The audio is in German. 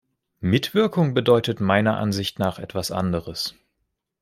Mitwirkung bedeutet meiner Ansicht nach etwas anderes.